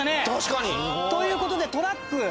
確かに。という事でトラック